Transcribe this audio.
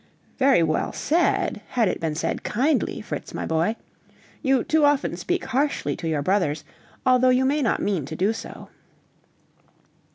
"Very well said, had it been said kindly, Fritz, my boy. You too often speak harshly to your brothers, although you may not mean to do so."